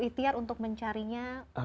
ikhtiar untuk mencarinya